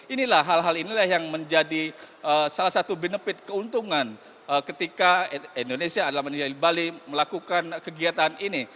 inilah hal hal inilah yang menjadi salah satu benefit keuntungan ketika indonesia adalah bali melakukan kegiatan ini